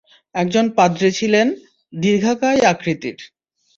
একজন পাদ্রী ছিলেন, দীর্ঘকায় আকৃতির!